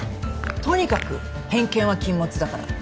とにかく偏見は禁物だから。